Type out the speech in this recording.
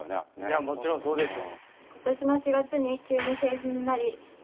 いやもちろんそうでしょ。